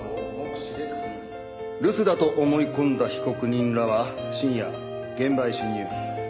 留守だと思い込んだ被告人らは深夜現場へ侵入。